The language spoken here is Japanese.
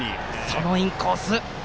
そのインコース。